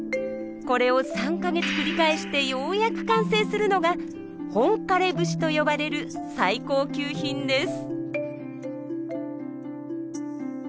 これを３か月繰り返してようやく完成するのが本枯節と呼ばれる最高級品です。